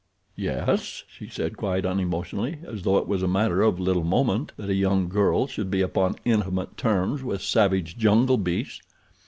"Yes?" she said quite unemotionally, as though it was a matter of little moment that a young girl should be upon intimate terms with savage jungle beasts.